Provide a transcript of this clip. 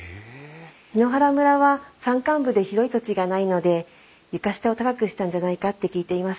檜原村は山間部で広い土地がないので床下を高くしたんじゃないかって聞いています。